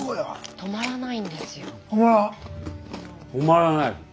止まらない。